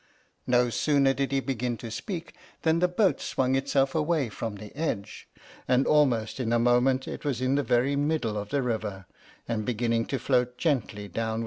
No sooner did he begin to speak than the boat swung itself away from the edge, and almost in a moment it was in the very middle of the river, and beginning to float gently down with the stream.